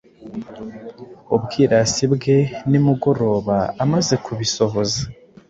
ubwirasi bwe nimugorobaamaze kubisohoza